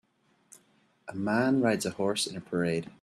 A man rides a horse in a parade.